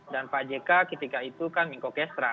dan pak jk ketika itu kan mengko kestra